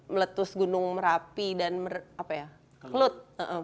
meletus gunung merapi dan kelut